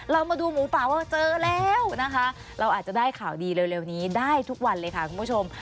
เรามาดูหมูป่าว่าเจอแล้วนะคะเราอาจจะได้ข่าวดีเร็วนี้ได้ทุกวันเลยค่ะคุณผู้ชม